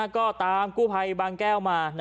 ก็ตามกู้ภัยบางแก้วมา